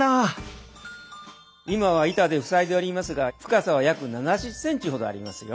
今は板で塞いでおりますが深さは約７０センチほどありますよ。